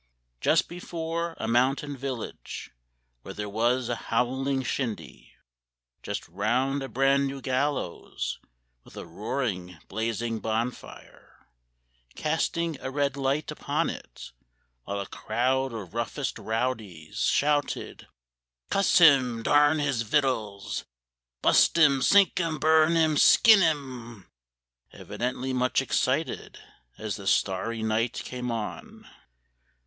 Just before a mountain village, Where there was a howling shindy Just around a bran new gallows, With a roaring blazing bonfire Casting a red light upon it, While a crowd of roughest rowdies Shouted, "Cuss him! darn his vitals! Bust him! sink him! burn him! skin him!" Evidently much excited As the starry night came on.